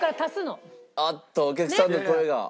あっとお客さんの声が。